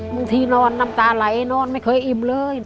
นอนที่นอนน้ำตาไหลนอนไม่เคยอิ่มเลย